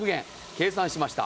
計算しました。